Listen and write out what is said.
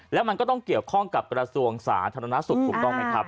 แล้วมันก็ต้องเกี่ยวข้องกับกระทรวงสาธารณสุขถูกต้องไหมครับ